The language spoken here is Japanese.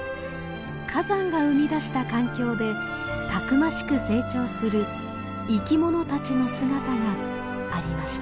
火山が生み出した環境でたくましく成長する生き物たちの姿がありました。